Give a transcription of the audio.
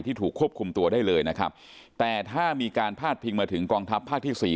ถูกควบคุมตัวได้เลยนะครับแต่ถ้ามีการพาดพิงมาถึงกองทัพภาคที่สี่